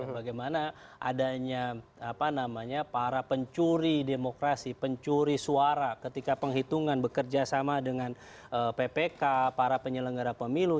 bagaimana adanya para pencuri demokrasi pencuri suara ketika penghitungan bekerja sama dengan ppk para penyelenggara pemilu